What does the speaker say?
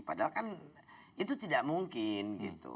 padahal kan itu tidak mungkin gitu